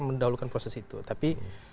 mendahulukan proses itu tapi